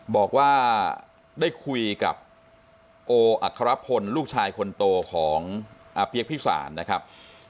บอกว่าได้คุยกับโออัครพลลูกชายคนโตของอาเปี๊ยกพิสารนะครับ